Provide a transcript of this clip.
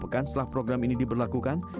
pekan setelah program ini diberlakukan